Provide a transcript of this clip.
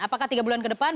apakah tiga bulan ke depan